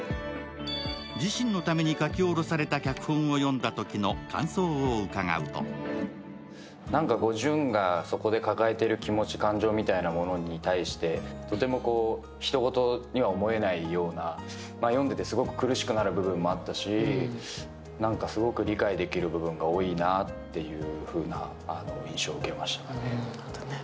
自身のために書き下ろされた脚本を読んだときの感想を伺うとなんか淳がそこで抱えている気持ち感情みたいなものに対してとてもひと事には思えないような読んでてすごく苦しくなる部分もあったしすごく理解できる部分が多いなという印象を受けましたね。